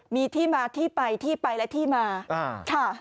มีที่มาที่ไปที่ไปและที่มาค่ะ